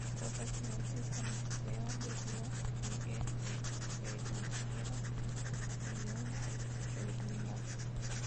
Reposa esta noche, y cuando sea de día, si él te redimiere, bien, redímate